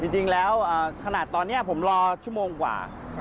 จริงแล้วขนาดตอนนี้ผมรอชั่วโมงกว่า